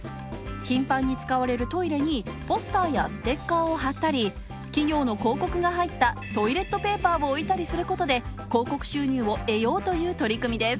頻繁に使われるトイレにポスターやステッカーを貼ったり、企業の広告が入ったトイレットペーパーを置いたりすることで広告収入を得ようという取り組みです。